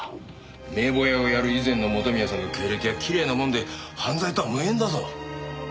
名簿屋をやる以前の元宮さんの経歴はきれいなもんで犯罪とは無縁だぞ。